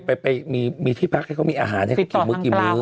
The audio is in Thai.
ไปมีที่พักให้เขามีอาหารให้เขากี่มื้อกี่มื้อ